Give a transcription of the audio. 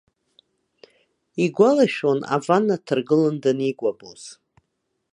Игәалашәон аванна дҭаргыланы даникәабоз.